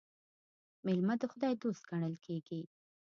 مېلمه د خداى دوست ګڼل کېږي.